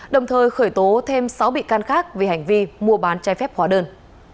đồng thời khởi tố thêm sáu bị can khác vì hành vi mua bán trái phép hóa đơn